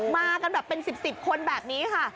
มากันแบบเป็น๑๐คนแบบนี้ค่ะ